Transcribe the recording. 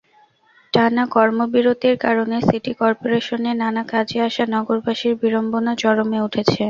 টানা কর্মবিরতির কারণে সিটি করপোরেশনে নানা কাজে আসা নগরবাসীর বিড়ম্বনা চরমে উঠেছে।